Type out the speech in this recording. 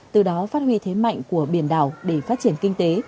từ đó phát huy thế mạnh của biển đảo để phát triển kinh tế